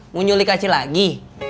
mu nyulik acil lagi